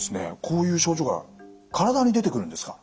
こういう症状が体に出てくるんですか？